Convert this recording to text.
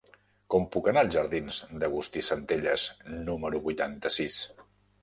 Com puc anar als jardins d'Agustí Centelles número vuitanta-sis?